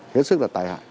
hiết sức là tài hại